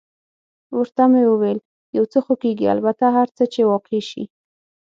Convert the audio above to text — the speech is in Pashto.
ورته مې وویل: یو څه خو کېږي، البته هر څه چې واقع شي.